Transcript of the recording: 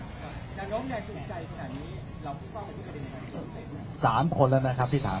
น้องน้องแห่งจูงใจขนาดนี้เราต้องรู้สึกในใครที่ถาม